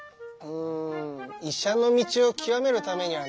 ん医者の道を究めるためにはね